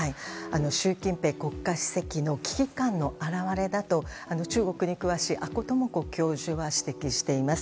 習近平国家主席の危機感の表れだと、中国に詳しい阿古智子教授は指摘しています。